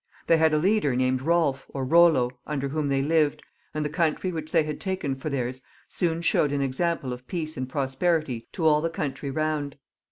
They had a leader named Solf or Bollo, under whom they lived, and the country which they had taken for theirs soon showed an example of peace and prosperity to all the country round.